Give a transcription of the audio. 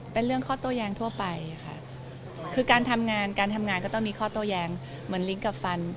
เป็นเรื่องข้อโต้แย้งทั่วไปค่ะคือการทำงานการทำงานก็ต้องมีข้อโต้แย้งเหมือนลิงก์กับฟัน